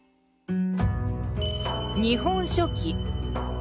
「日本書紀」。